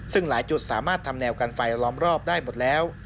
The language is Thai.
ซึ่งหลายจุดสามารถทำแนวกันไฟล้อมรอบได้หมดแล้ว